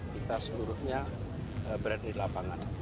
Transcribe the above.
kita seluruhnya berada di lapangan